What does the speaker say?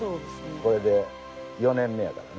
これで４年目やからね。